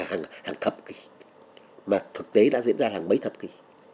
hàng thập kỷ mà thực tế đã diễn ra hàng mấy thập kỷ